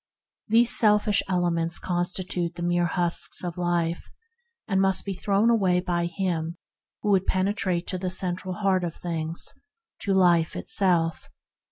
These selfish elements constitute the mere husks of life, and must be thrown away by him who would penetrate to the Central Heart of things — to Life itself.